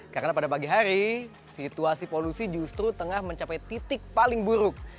karena pada pagi hari situasi polusi justru tengah mencapai titik paling buruk